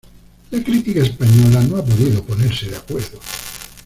La crítica española no ha podido ponerse de acuerdo.